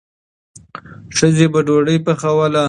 ښځې به ډوډۍ پخوله.